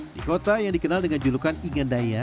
di kota yang dikenal dengan julukan igandaya